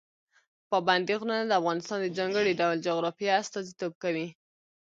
پابندی غرونه د افغانستان د ځانګړي ډول جغرافیه استازیتوب کوي.